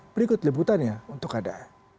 berikut liputannya untuk ada